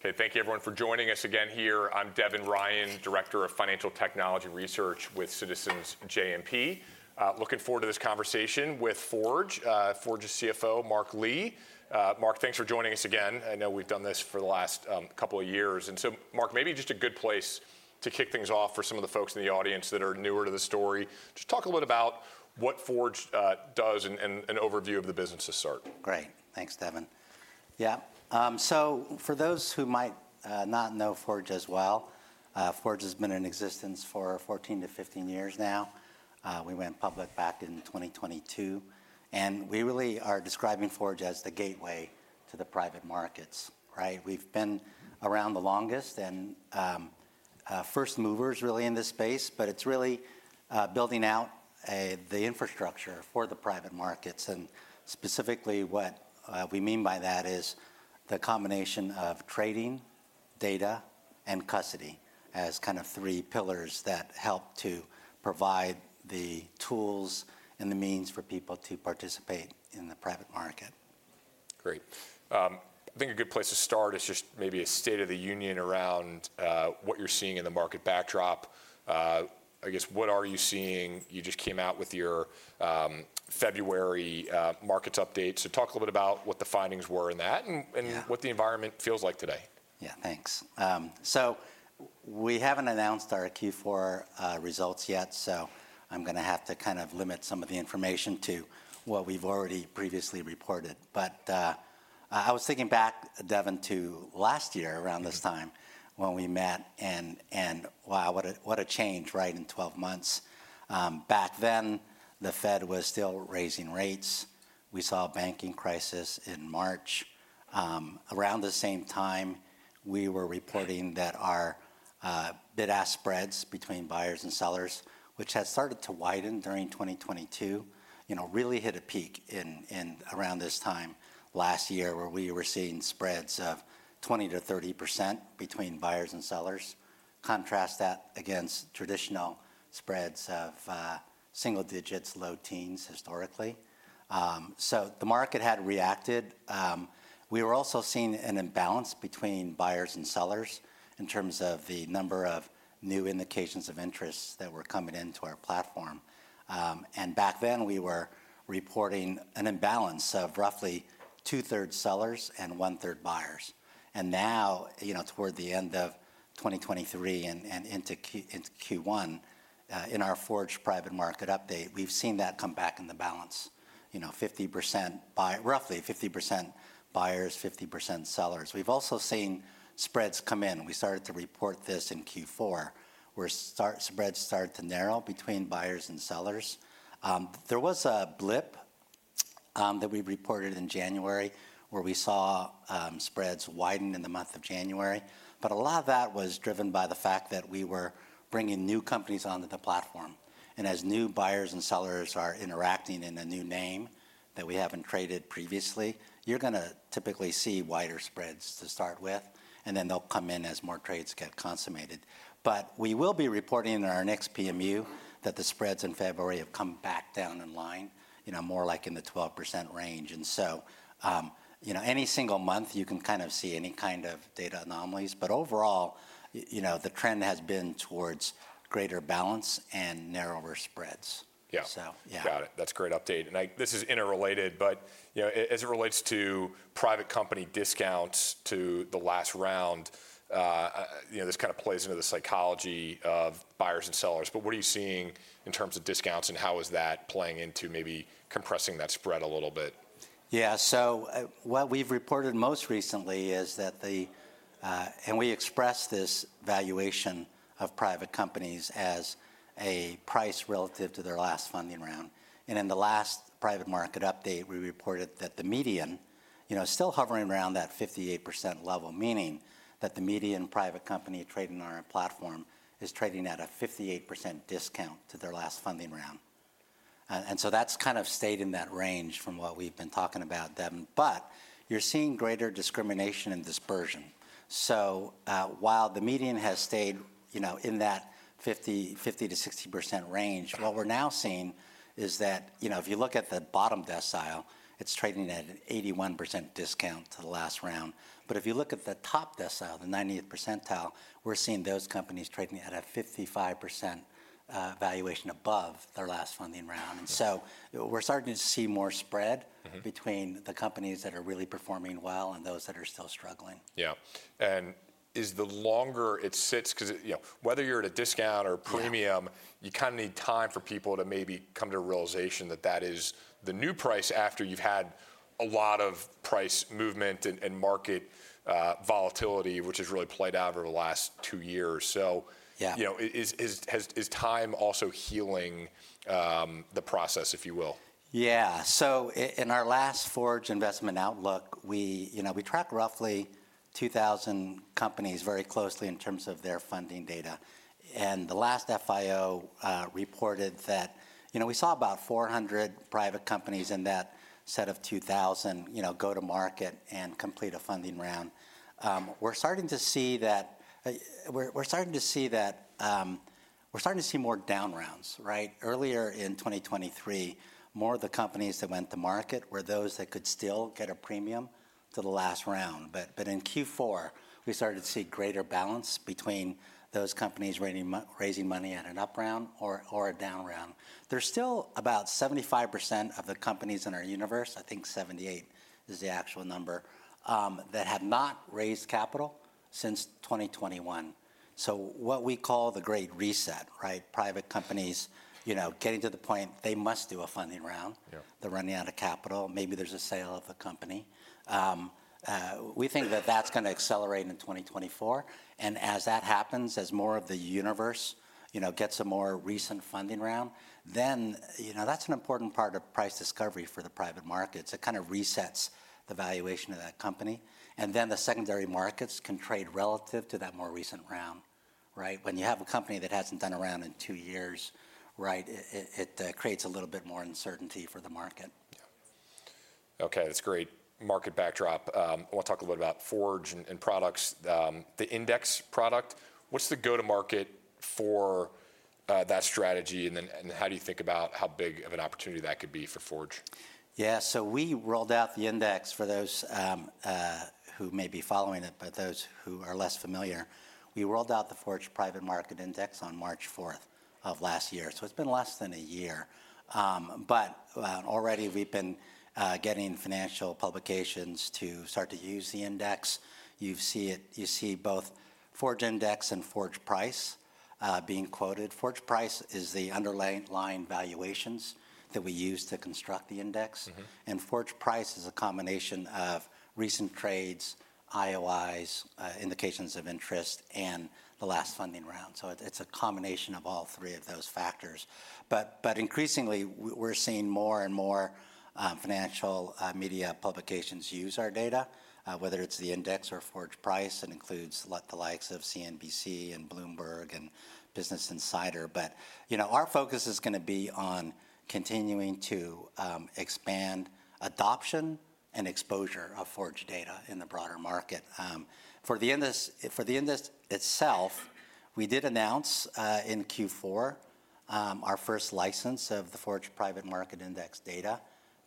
Okay, thank you everyone for joining us again here. I'm Devin Ryan, Director of Financial Technology Research with Citizens JMP. Looking forward to this conversation with Forge, Forge's CFO, Mark Lee. Mark, thanks for joining us again. I know we've done this for the last couple of years. And so, Mark, maybe just a good place to kick things off for some of the folks in the audience that are newer to the story, just talk a little bit about what Forge does and an overview of the business as a start. Great. Thanks, Devin. Yeah, so for those who might not know Forge as well, Forge has been in existence for 14-15 years now. We went public back in 2022. We really are describing Forge as the gateway to the private markets, right? We've been around the longest and first movers, really, in this space, but it's really building out the infrastructure for the private markets. Specifically, what we mean by that is the combination of trading, data, and custody as kind of three pillars that help to provide the tools and the means for people to participate in the private market. Great. I think a good place to start is just maybe a state of the union around what you're seeing in the market backdrop. I guess, what are you seeing? You just came out with your February markets update. So talk a little bit about what the findings were in that and what the environment feels like today. Yeah, thanks. So we haven't announced our Q4 results yet, so I'm going to have to kind of limit some of the information to what we've already previously reported. But I was thinking back, Devin, to last year around this time when we met. And wow, what a change, right, in 12 months. Back then, the Fed was still raising rates. We saw a banking crisis in March. Around the same time, we were reporting that our bid-ask spreads between buyers and sellers, which had started to widen during 2022, really hit a peak around this time last year where we were seeing spreads of 20%-30% between buyers and sellers. Contrast that against traditional spreads of single digits, low teens, historically. So the market had reacted. We were also seeing an imbalance between buyers and sellers in terms of the number of new indications of interest that were coming into our platform. Back then, we were reporting an imbalance of roughly 2/3 sellers and 1/3 buyers. Now, toward the end of 2023 and into Q1, in our Forge Private Market Update, we've seen that come back in the balance, roughly 50% buyers, 50% sellers. We've also seen spreads come in. We started to report this in Q4, where spreads started to narrow between buyers and sellers. There was a blip that we reported in January where we saw spreads widen in the month of January. But a lot of that was driven by the fact that we were bringing new companies onto the platform. As new buyers and sellers are interacting in a new name that we haven't traded previously, you're going to typically see wider spreads to start with, and then they'll come in as more trades get consummated. We will be reporting in our next PMU that the spreads in February have come back down in line, more like in the 12% range. So any single month, you can kind of see any kind of data anomalies. Overall, the trend has been towards greater balance and narrower spreads. Yeah, got it. That's a great update. And this is interrelated, but as it relates to private company discounts to the last round, this kind of plays into the psychology of buyers and sellers. But what are you seeing in terms of discounts, and how is that playing into maybe compressing that spread a little bit? Yeah, so what we've reported most recently is that, and we express this valuation of private companies as a price relative to their last funding round. And in the last private market update, we reported that the median is still hovering around that 58% level, meaning that the median private company trading on our platform is trading at a 58% discount to their last funding round. And so that's kind of stayed in that range from what we've been talking about, Devin. But you're seeing greater discrimination and dispersion. So while the median has stayed in that 50%-60% range, what we're now seeing is that if you look at the bottom decile, it's trading at an 81% discount to the last round. But if you look at the top decile, the 90th percentile, we're seeing those companies trading at a 55% valuation above their last funding round. And so we're starting to see more spread between the companies that are really performing well and those that are still struggling. Yeah. And is the longer it sits because whether you're at a discount or premium, you kind of need time for people to maybe come to a realization that that is the new price after you've had a lot of price movement and market volatility, which has really played out over the last two years. So is time also healing the process, if you will? Yeah, so in our last Forge Investment Outlook, we track roughly 2,000 companies very closely in terms of their funding data. And the last FIO reported that we saw about 400 private companies in that set of 2,000 go to market and complete a funding round. We're starting to see that we're starting to see more down rounds, right? Earlier in 2023, more of the companies that went to market were those that could still get a premium to the last round. But in Q4, we started to see greater balance between those companies raising money at an up round or a down round. There's still about 75% of the companies in our universe, I think 78% is the actual number, that have not raised capital since 2021. So what we call the Great Reset, right? Private companies getting to the point they must do a funding round. They're running out of capital. Maybe there's a sale of the company. We think that that's going to accelerate in 2024. As that happens, as more of the universe gets a more recent funding round, then that's an important part of price discovery for the private markets. It kind of resets the valuation of that company. Then the secondary markets can trade relative to that more recent round, right? When you have a company that hasn't done a round in two years, it creates a little bit more uncertainty for the market. Yeah. OK, that's a great market backdrop. I want to talk a little bit about Forge and products. The index product, what's the go-to-market for that strategy? And then how do you think about how big of an opportunity that could be for Forge? Yeah, so we rolled out the index for those who may be following it. But for those who are less familiar, we rolled out the Forge Private Market Index on March 4 of last year. So it's been less than a year. But already, we've been getting financial publications to start to use the index. You see both Forge Index and Forge Price being quoted. Forge Price is the underlying valuations that we use to construct the index. And Forge Price is a combination of recent trades, IOIs, indications of interest, and the last funding round. So it's a combination of all three of those factors. But increasingly, we're seeing more and more financial media publications use our data, whether it's the index or Forge Price. It includes the likes of CNBC and Bloomberg and Business Insider. But our focus is going to be on continuing to expand adoption and exposure of Forge Data in the broader market. For the index itself, we did announce in Q4 our first license of the Forge Private Market Index data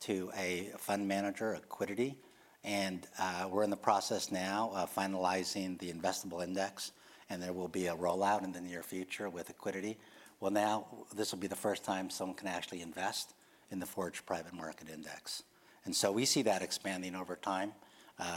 to a fund manager, Accuidity. And we're in the process now of finalizing the investable index. And there will be a rollout in the near future with Accuidity. Well, now, this will be the first time someone can actually invest in the Forge Private Market Index. And so we see that expanding over time.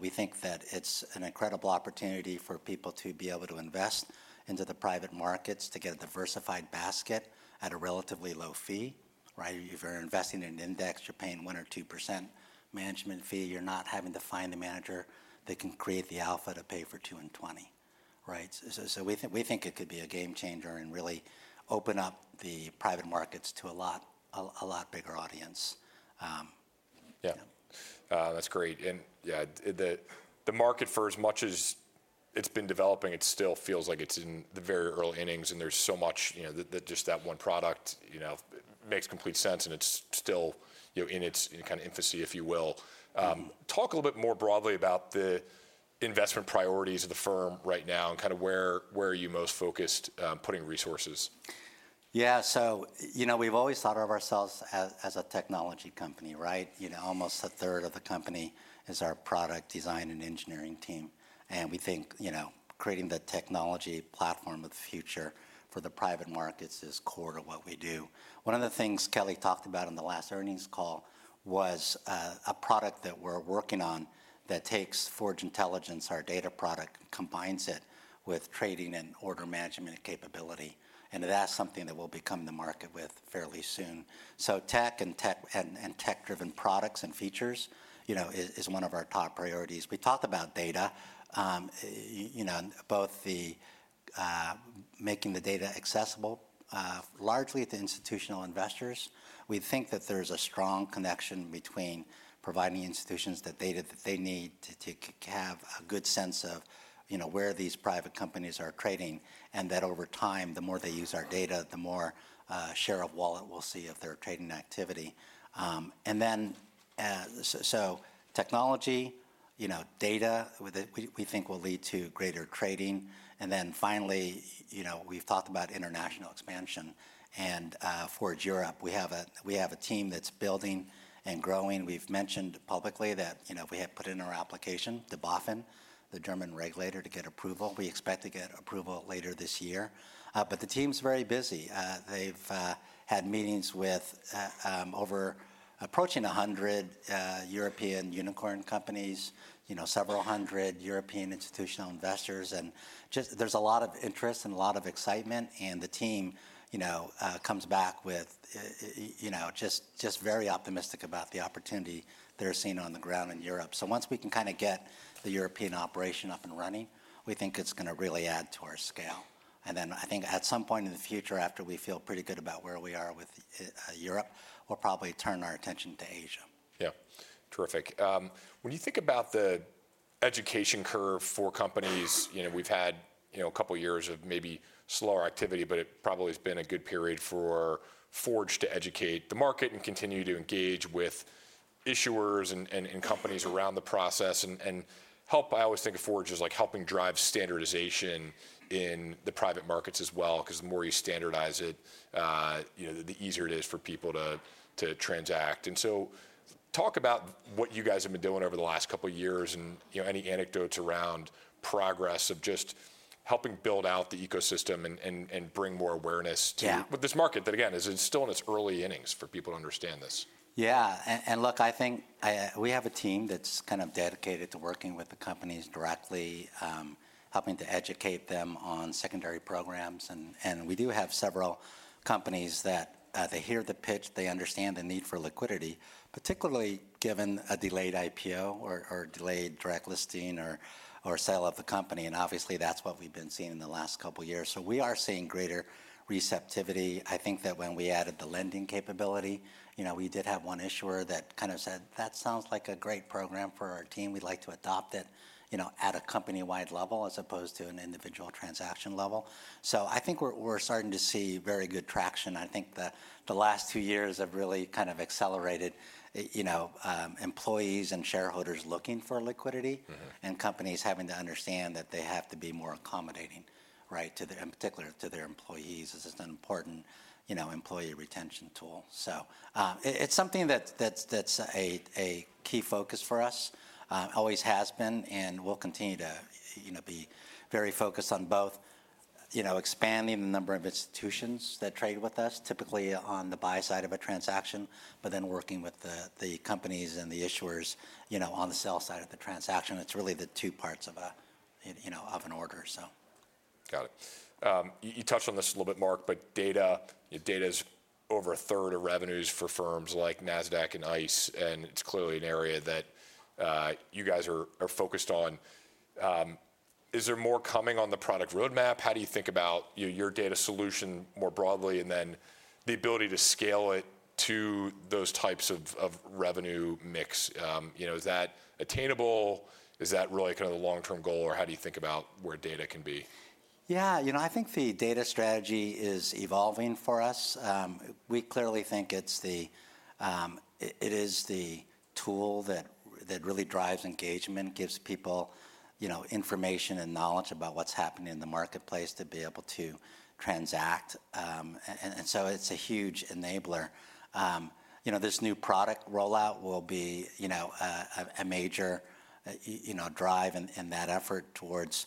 We think that it's an incredible opportunity for people to be able to invest into the private markets to get a diversified basket at a relatively low fee, right? If you're investing in an index, you're paying 1% or 2% management fee. You're not having to find a manager that can create the alpha to pay for 2 and 20, right? So we think it could be a game changer and really open up the private markets to a lot bigger audience. Yeah, that's great. Yeah, the market, for as much as it's been developing, it still feels like it's in the very early innings. There's so much that just that one product makes complete sense, and it's still in its kind of infancy, if you will. Talk a little bit more broadly about the investment priorities of the firm right now and kind of where you're most focused putting resources. Yeah, so we've always thought of ourselves as a technology company, right? Almost a third of the company is our product design and engineering team. And we think creating the technology platform of the future for the private markets is core to what we do. One of the things Kelly talked about in the last earnings call was a product that we're working on that takes Forge Intelligence, our data product, combines it with trading and order management capability. And that's something that will become the market with fairly soon. So tech and tech-driven products and features is one of our top priorities. We talked about data, both making the data accessible, largely to institutional investors. We think that there's a strong connection between providing institutions the data that they need to have a good sense of where these private companies are trading and that over time, the more they use our data, the more share of wallet we'll see of their trading activity. And then so technology, data we think will lead to greater trading. And then finally, we've talked about international expansion. And Forge Europe, we have a team that's building and growing. We've mentioned publicly that we have put in our application to BaFin, the German regulator, to get approval. We expect to get approval later this year. But the team's very busy. They've had meetings with over approaching 100 European unicorn companies, several hundred European institutional investors. And there's a lot of interest and a lot of excitement. The team comes back with just very optimistic about the opportunity they're seeing on the ground in Europe. Once we can kind of get the European operation up and running, we think it's going to really add to our scale. Then I think at some point in the future, after we feel pretty good about where we are with Europe, we'll probably turn our attention to Asia. Yeah, terrific. When you think about the education curve for companies, we've had a couple of years of maybe slower activity, but it probably has been a good period for Forge to educate the market and continue to engage with issuers and companies around the process and help. I always think of Forge as like helping drive standardization in the private markets as well because the more you standardize it, the easier it is for people to transact. And so talk about what you guys have been doing over the last couple of years and any anecdotes around progress of just helping build out the ecosystem and bring more awareness to this market that, again, is still in its early innings for people to understand this. Yeah, and look, I think we have a team that's kind of dedicated to working with the companies directly, helping to educate them on secondary programs. And we do have several companies that they hear the pitch. They understand the need for liquidity, particularly given a delayed IPO or delayed direct listing or sale of the company. And obviously, that's what we've been seeing in the last couple of years. So we are seeing greater receptivity. I think that when we added the lending capability, we did have one issuer that kind of said, that sounds like a great program for our team. We'd like to adopt it at a company-wide level as opposed to an individual transaction level. So I think we're starting to see very good traction. I think the last two years have really kind of accelerated employees and shareholders looking for liquidity and companies having to understand that they have to be more accommodating, in particular, to their employees as it's an important employee retention tool. So it's something that's a key focus for us, always has been, and we'll continue to be very focused on both expanding the number of institutions that trade with us, typically on the buy side of a transaction, but then working with the companies and the issuers on the sell side of the transaction. It's really the two parts of an order, so. Got it. You touched on this a little bit, Mark, but data is over a third of revenues for firms like Nasdaq and ICE. It's clearly an area that you guys are focused on. Is there more coming on the product roadmap? How do you think about your data solution more broadly and then the ability to scale it to those types of revenue mix? Is that attainable? Is that really kind of the long-term goal? Or how do you think about where data can be? Yeah, you know I think the data strategy is evolving for us. We clearly think it is the tool that really drives engagement, gives people information and knowledge about what's happening in the marketplace to be able to transact. And so it's a huge enabler. This new product rollout will be a major drive in that effort towards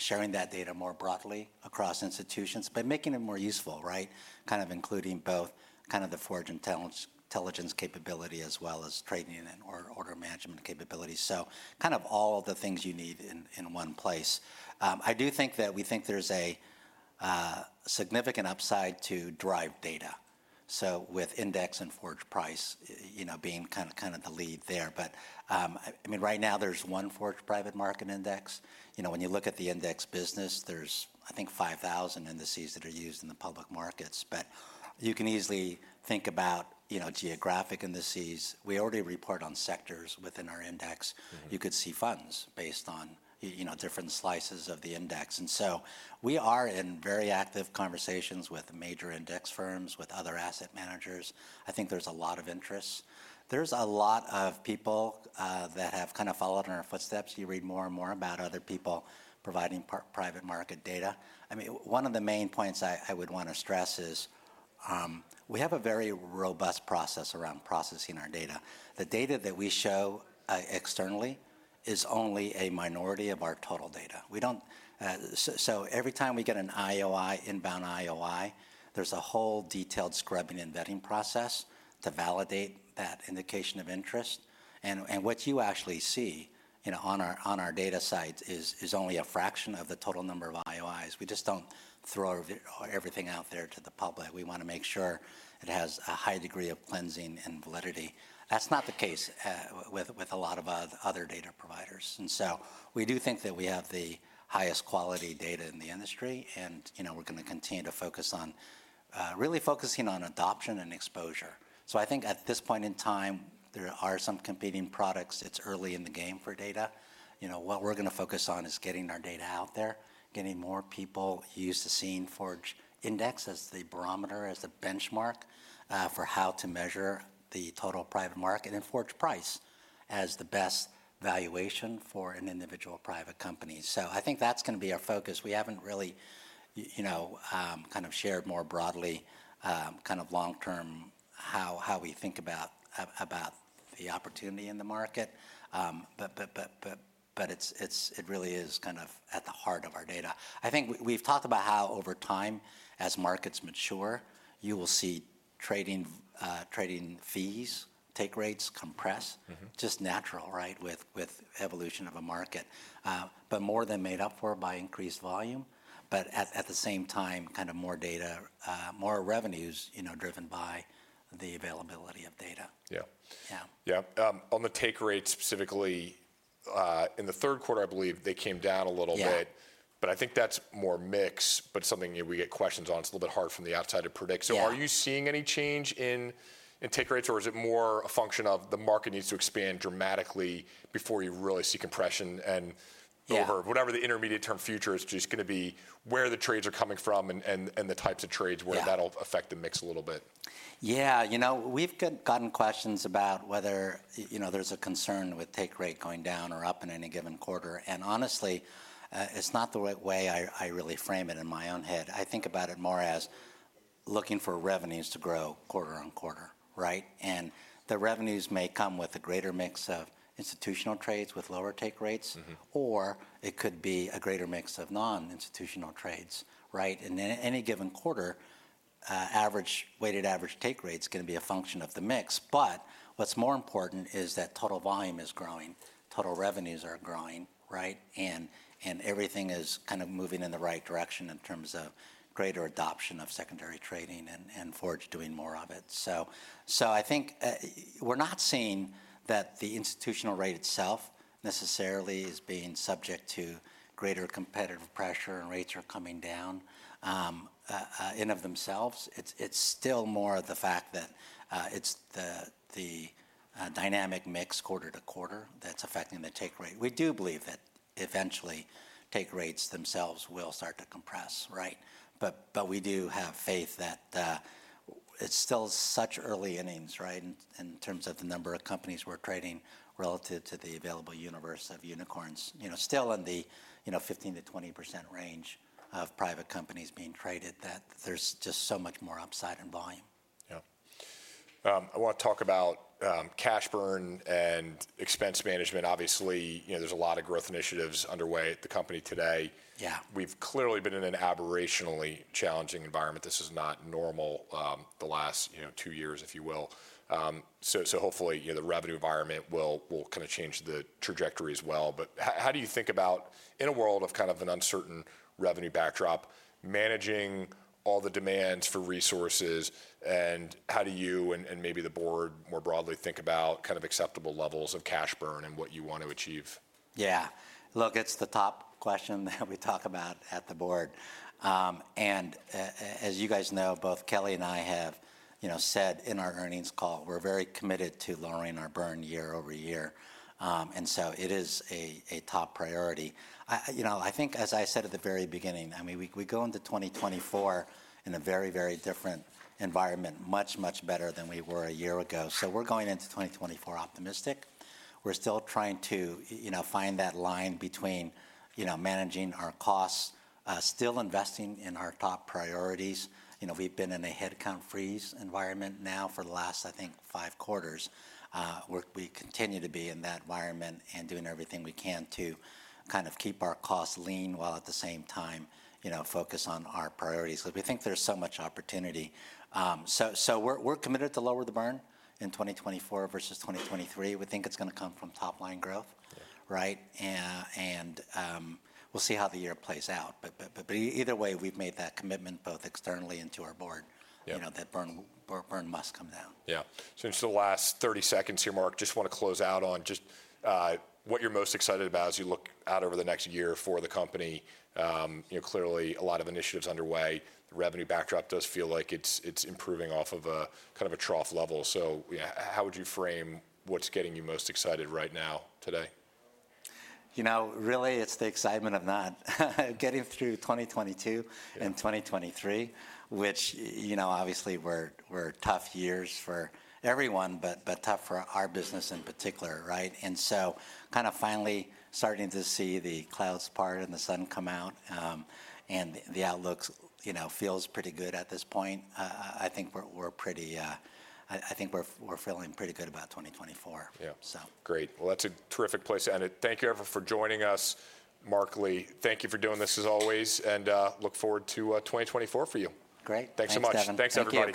sharing that data more broadly across institutions but making it more useful, right? Kind of including both kind of the Forge Intelligence capability as well as trading and order management capabilities. So kind of all of the things you need in one place. I do think that we think there's a significant upside to drive data, so with Index and Forge Price being kind of the lead there. But I mean, right now, there's one Forge Private Market Index. When you look at the index business, there's, I think, 5,000 indices that are used in the public markets. But you can easily think about geographic indices. We already report on sectors within our index. You could see funds based on different slices of the index. And so we are in very active conversations with major index firms, with other asset managers. I think there's a lot of interest. There's a lot of people that have kind of followed in our footsteps. You read more and more about other people providing private market data. I mean, one of the main points I would want to stress is we have a very robust process around processing our data. The data that we show externally is only a minority of our total data. Every time we get an IOI, inbound IOI, there's a whole detailed scrubbing and vetting process to validate that indication of interest. What you actually see on our data sites is only a fraction of the total number of IOIs. We just don't throw everything out there to the public. We want to make sure it has a high degree of cleansing and validity. That's not the case with a lot of other data providers. So we do think that we have the highest quality data in the industry. We're going to continue to focus on really focusing on adoption and exposure. So I think at this point in time, there are some competing products. It's early in the game for data. What we're going to focus on is getting our data out there, getting more people used to seeing Forge Index as the barometer, as the benchmark for how to measure the total private market, and Forge Price as the best valuation for an individual private company. So I think that's going to be our focus. We haven't really kind of shared more broadly kind of long-term how we think about the opportunity in the market. But it really is kind of at the heart of our data. I think we've talked about how over time, as markets mature, you will see trading fees, take rates, compress just natural, right, with evolution of a market, but more than made up for by increased volume, but at the same time, kind of more data, more revenues driven by the availability of data. Yeah, yeah. On the take rate specifically, in the third quarter, I believe, they came down a little bit. But I think that's more mix but something we get questions on. It's a little bit hard from the outside to predict. So are you seeing any change in take rates, or is it more a function of the market needs to expand dramatically before you really see compression? And whatever the intermediate-term future is, just going to be where the trades are coming from and the types of trades, where that'll affect the mix a little bit. Yeah, you know we've gotten questions about whether there's a concern with take rate going down or up in any given quarter. And honestly, it's not the right way I really frame it in my own head. I think about it more as looking for revenues to grow quarter-over-quarter, right? And the revenues may come with a greater mix of institutional trades with lower take rates, or it could be a greater mix of non-institutional trades, right? And in any given quarter, weighted average take rate is going to be a function of the mix. But what's more important is that total volume is growing, total revenues are growing, right? And everything is kind of moving in the right direction in terms of greater adoption of secondary trading and Forge doing more of it. So I think we're not seeing that the institutional rate itself necessarily is being subject to greater competitive pressure and rates are coming down in of themselves. It's still more the fact that it's the dynamic mix quarter to quarter that's affecting the take rate. We do believe that eventually, take rates themselves will start to compress, right? But we do have faith that it's still such early innings in terms of the number of companies we're trading relative to the available universe of unicorns, still in the 15%-20% range of private companies being traded, that there's just so much more upside in volume. Yeah. I want to talk about cash burn and expense management. Obviously, there's a lot of growth initiatives underway at the company today. We've clearly been in an aberrationally challenging environment. This is not normal the last two years, if you will. So hopefully, the revenue environment will kind of change the trajectory as well. But how do you think about, in a world of kind of an uncertain revenue backdrop, managing all the demands for resources? And how do you and maybe the board more broadly think about kind of acceptable levels of cash burn and what you want to achieve? Yeah, look, it's the top question that we talk about at the board. As you guys know, both Kelly and I have said in our earnings call, we're very committed to lowering our burn year-over-year. So it is a top priority. I think, as I said at the very beginning, I mean, we go into 2024 in a very, very different environment, much, much better than we were a year ago. We're going into 2024 optimistic. We're still trying to find that line between managing our costs, still investing in our top priorities. We've been in a headcount freeze environment now for the last, I think, five quarters. We continue to be in that environment and doing everything we can to kind of keep our costs lean while at the same time focus on our priorities because we think there's so much opportunity. We're committed to lower the burn in 2024 versus 2023. We think it's going to come from top-line growth, right? We'll see how the year plays out. Either way, we've made that commitment both externally and to our board that burn must come down. Yeah. So in just the last 30 seconds here, Mark, just want to close out on just what you're most excited about as you look out over the next year for the company. Clearly, a lot of initiatives underway. The revenue backdrop does feel like it's improving off of kind of a trough level. So how would you frame what's getting you most excited right now today? You know, really, it's the excitement of not getting through 2022 and 2023, which obviously were tough years for everyone but tough for our business in particular, right? And so kind of finally starting to see the clouds part and the sun come out and the outlook feels pretty good at this point. I think we're feeling pretty good about 2024, so. Yeah, great. Well, that's a terrific place to end it. Thank you, ever, for joining us. Mark Lee, thank you for doing this as always. And look forward to 2024 for you. Great. Thanks so much. Thanks, everybody.